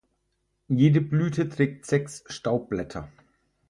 Jede Blüte trägt sechs Staubblätter.